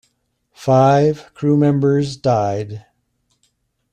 Five crew members died.